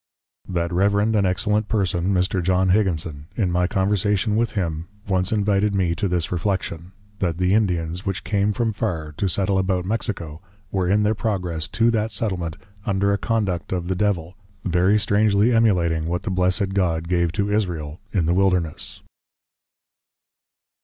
That Reverend and Excellent Person, Mr. John Higginson, in my Conversation with him, Once invited me to this Reflection; that the Indians which came from far to settle about Mexico, were in their Progress to that Settlement, under a Conduct of the Devil, very strangely Emulating what the Blessed God gave to Israel in the Wilderness.